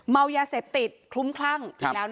เมายาเสพติดคลุ้มคลั่ง